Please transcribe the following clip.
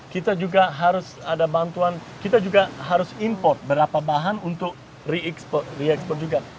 kita juga harus ada bantuan kita juga harus import berapa bahan untuk re ekspor juga